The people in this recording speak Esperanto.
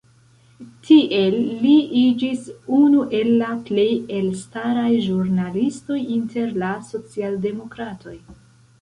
Tiel li iĝis unu el la plej elstaraj ĵurnalistoj inter la socialdemokratoj.